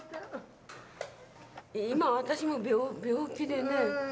今私も病気でね